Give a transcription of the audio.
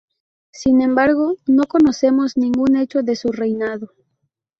Sin embargo, no conocemos ningún hecho de su reinado.